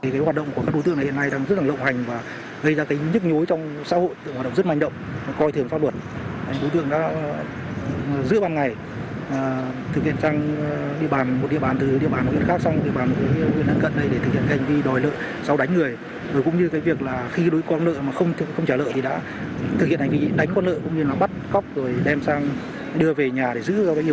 vì đánh con lợi cũng như nó bắt cóc rồi đem sang đưa về nhà để giữ ra các yêu cầu người nhà đem tiền đến chủ tỉnh giảm lượng